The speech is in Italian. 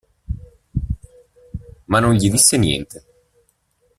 Ma non gli disse niente.